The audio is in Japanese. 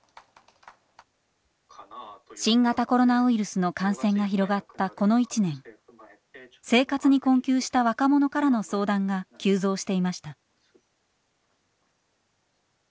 新型コロナウイルスの感染が広がったこの１年生活に困窮した若者からの相談が急増していました。